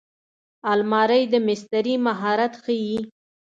الماري د مستري مهارت ښيي